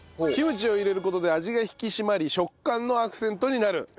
キムチを入れる事で味が引き締まり食感のアクセントになる。